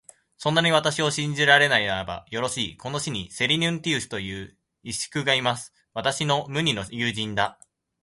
そんなに私を信じられないならば、よろしい、この市にセリヌンティウスという石工がいます。私の無二の友人だ。